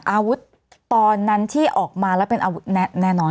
อาวุธตอนนั้นที่ออกมาแล้วเป็นอาวุธแน่นอน